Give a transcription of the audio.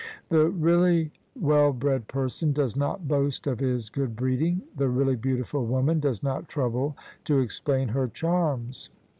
The really well bred person does not boast of his good breeding: the really beautiful woman does not trouble to explain her charms.